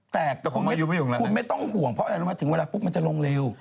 แตกแต่คุณไม่ต้องห่วงเพราะถึงเวลาปุ๊บมันจะลงเร็ว